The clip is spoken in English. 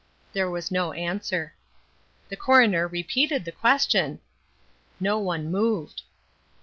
There was no answer. The coroner repeated the question. No one moved.